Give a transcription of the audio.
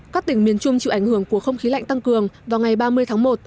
các tỉnh miền trung chịu ảnh hưởng của không khí lạnh tăng cường vào ngày ba mươi tháng một